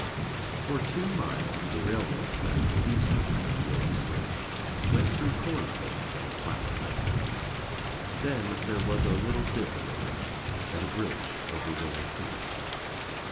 For two miles the railroad tracks, eastward out of Willow Springs, went through corn fields on a flat plain. Then there was a litfte dip in the land and a bridge over Willow Creek.